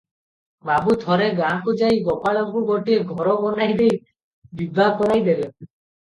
ବାବୁ ଥରେ ଗାଁ କୁ ଯାଇ ଗୋପାଳକୁ ଗୋଟିଏ ଘର ବନାଈ ଦେଇ ବିଭା କରାଇ ଦେଲେ ।